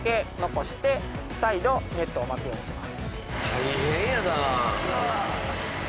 大変やな。